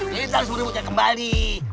kita harus memutihkan kembali